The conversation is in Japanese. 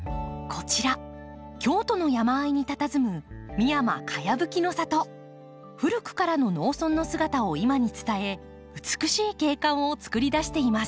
こちら京都の山あいにたたずむ古くからの農村の姿を今に伝え美しい景観をつくり出しています。